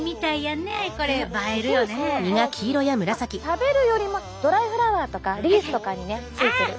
食べるよりもドライフラワーとかリースとかにねついてる。